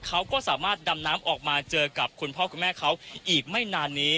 เขาก็สามารถดำน้ำออกมาเจอกับคุณพ่อคุณแม่เขาอีกไม่นานนี้